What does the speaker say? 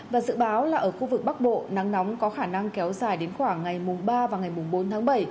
và dự báo là ở khu vực bắc bộ nắng nóng có khả năng kéo dài đến khoảng ngày ba và ngày mùng bốn tháng bảy